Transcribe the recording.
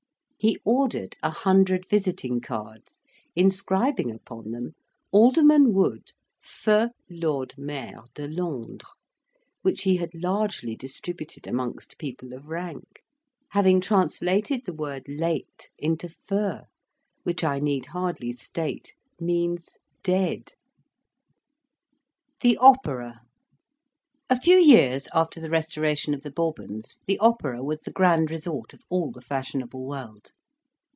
He ordered a hundred visiting cards, inscribing upon them, "Alderman Wood, feu Lord Maire de Londres," which he had largely distributed amongst people of rank having translated the word "late" into "feu," which I need hardly state means "dead." THE OPERA A few years after the restoration of the Bourbons, the opera was the grand resort of all the fashionable world.